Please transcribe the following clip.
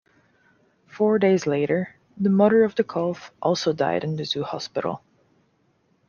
Four days later, the mother of the calf also died in the zoo hospital.